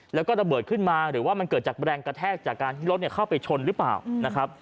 แล้วก็ระเบิดขึ้นมาหรือว่ามันเกิดจากแรงกระแทกจากการที่รถเข้าไปชนหรือเปล่านะครับ